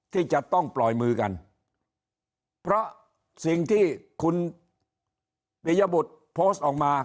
ที่จะต้องปล่อยมือกันเพราะสิ่งที่คุณปียบุตรโพสต์ออกมา